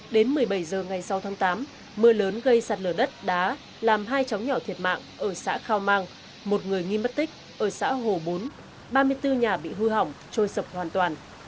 đến một mươi bảy h ngày sáu tháng tám mưa lớn gây sạt lở đất đá làm hai chóng nhỏ thiệt mạng ở xã khao mang một người nghi mất tích ở xã hồ bốn ba mươi bốn nhà bị hư hỏng trôi sập hoàn toàn